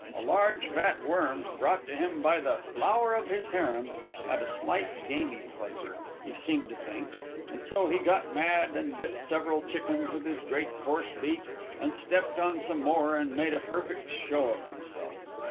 A large fat worm, brought to him by the flower of his harem, had a slight gamey flavor, he seemed to think, and so he got mad and bit several chickens with his great coarse beak and stepped on some more and made a perfect show of himself.